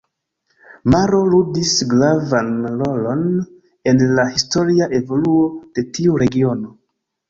Maro ludis gravan rolon en la historia evoluo de tiu regiono.